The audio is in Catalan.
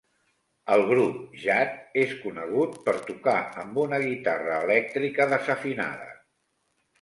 El grup Jad és conegut per tocar amb una guitarra elèctrica desafinada.